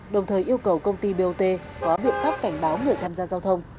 đồng thời yêu cầu công ty bot có biện pháp cảnh báo người tham gia giao thông